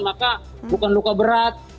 maka bukan luka berat